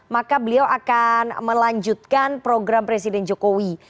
maka beliau akan melanjutkan program presiden jokowi